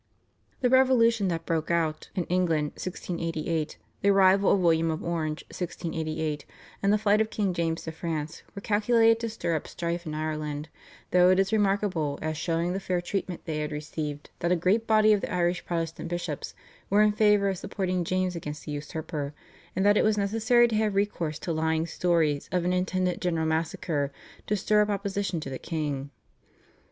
The revolution that broke out in England (1688), the arrival of William of Orange (1688), and the flight of King James to France were calculated to stir up strife in Ireland, though it is remarkable as showing the fair treatment they had received that a great body of the Irish Protestant bishops were in favour of supporting James against the usurper, and that it was necessary to have recourse to lying stories of an intended general massacre to stir up opposition to the king.